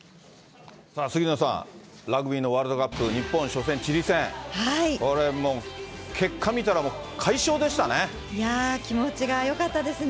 杉野さん、ラグビーのワールドカップ、日本初戦、チリ戦、これもう、いやー、気持ちがよかったですね。